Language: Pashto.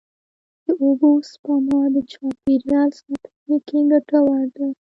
د اوبو سپما د چاپېریال ساتنې کې ګټوره ده.